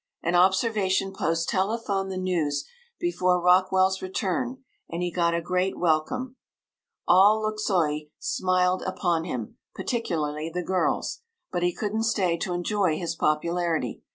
An observation post telephoned the news before Rockwell's return, and he got a great welcome. All Luxeuil smiled upon him particularly the girls. But he couldn't stay to enjoy his popularity.